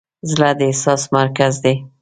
زړه د احساس مرکز دی.